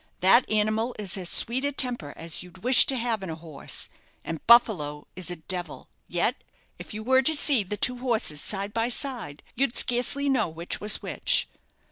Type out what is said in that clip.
That animal is as sweet a temper as you'd wish to have in a horse and 'Buffalo' is a devil; yet, if you were to see the two horses side by side, you'd scarcely know which was which."